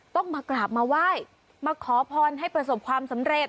ต้องมากราบมาไหว้มาขอพรให้ประสบความสำเร็จ